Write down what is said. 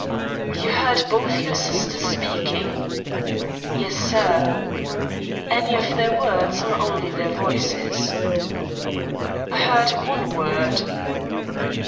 "You heard both your sisters speaking?" "Yes, sir." "Any of their words, or only their voices?" "I heard one word."